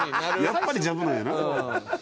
やっぱりジャブなんやな。